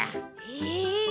へえ。